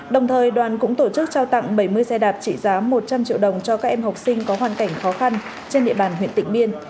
đồng thời đoàn cũng tổ chức trao tặng bảy mươi xe đạp trị giá một trăm linh triệu đồng cho các em học sinh có hoàn cảnh khó khăn trên địa bàn huyện tịnh biên